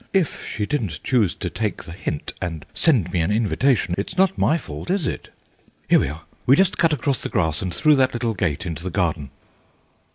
If she didn't choose to take the hint and send me an invitation it's not my fault, is it? Here we are: we just cut across the grass and through that little gate into the garden."